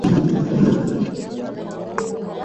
mgonjwa wa kisukari anaweza kuwa na vidonda sugu